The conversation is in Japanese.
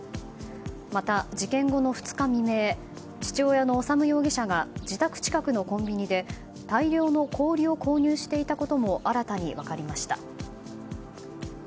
また、事件後の２日未明父親の修容疑者が自宅近くのコンビニで大量の氷を購入していたことも新たに分かりました。